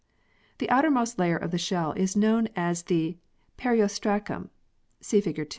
The outermost layer of the shell is known as the Periostracum (see fig.